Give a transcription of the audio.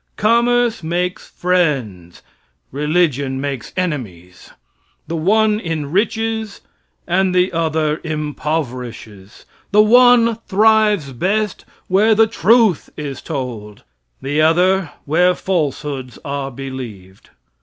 Commerce makes friends, religion makes enemies; the one enriches, and the other impoverishes; the one thrives best where the truth is told, the other where falsehoods are believed.